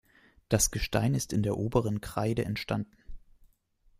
Das Gestein ist in der Oberen Kreide entstanden.